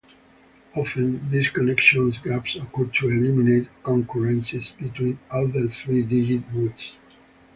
Often, these connection gaps occur to eliminate concurrencies between other three-digit routes.